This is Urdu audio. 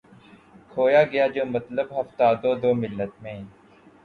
کھویا گیا جو مطلب ہفتاد و دو ملت میں